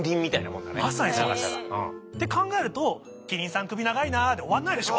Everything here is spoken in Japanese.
まさにそうなんです。って考えると「キリンさん首長いな」で終わらないでしょ？